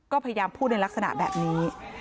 ก็พยายามพูดในลักษณะแบบนี้